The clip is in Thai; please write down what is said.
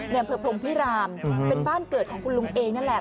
อำเภอพรมพิรามเป็นบ้านเกิดของคุณลุงเองนั่นแหละ